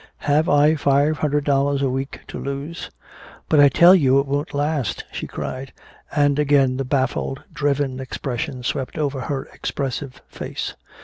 Have I five hundred dollars a week to lose?" "But I tell you it won't last!" she cried, and again the baffled, driven expression swept over her expressive face.